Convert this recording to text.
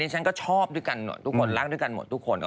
ฉันก็ชอบด้วยกันหมดทุกคนรักด้วยกันหมดทุกคน